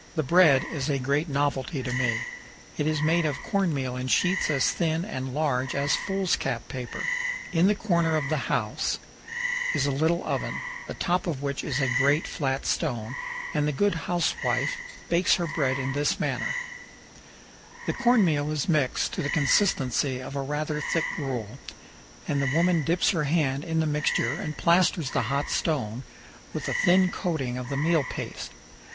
The bread is a great novelty to me. It is made of corn meal in sheets as thin and large as foolscap paper. In the corner of the house is a little oven, the top of which is a great flat stone, and the good housewife bakes her bread in this manner: The corn meal is mixed to the consistency of a rather thick gruel, and the woman dips her hand into the mixture and plasters the hot OVER THE RIVER. 337 stone with a thin coating of the meal paste.